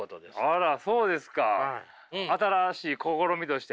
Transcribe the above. あらそうですか！